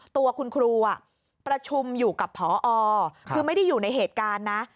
ตัวคุณครูประชุมอยู่กับพอคือไม่ได้อยู่ในเหตุการณ์นะ